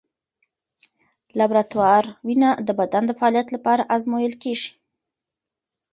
لابراتوار وینه د بدن د فعالیت لپاره ازمویل کېږي.